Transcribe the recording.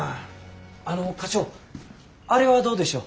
あの課長あれはどうでしょう。